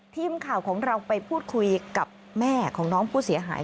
ทีมข่าวของเราไปพูดคุยกับแม่ของน้องผู้เสียหาย